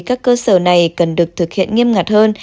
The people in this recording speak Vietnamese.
các cơ sở này cần được thực hiện nghiêm ngặt hơn